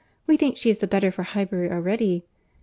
—We think she is the better for Highbury already.